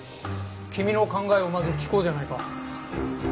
君の考えをまず聞こうじゃないか。